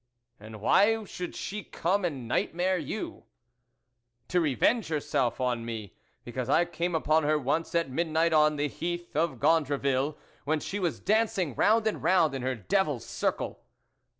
" And why should she come and night mare you ?"" To revenge herself on me, because I came upon her once at midnight on the heath of Gondreville, when she was dancing round and round in her devil's circle."